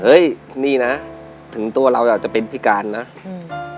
เฮ้ยนี่นะถึงตัวเราจะเป็นพิการนะอืม